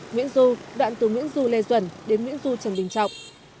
nguyễn du đoạn từ nguyễn du lê duẩn đến nguyễn du trần bình trọng